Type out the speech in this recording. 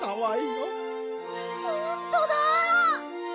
ほんとだ！